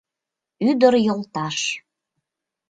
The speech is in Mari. — Ӱдыр йолташ!